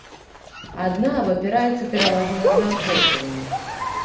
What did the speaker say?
Адна абапіраецца пераважна на заахвочванне.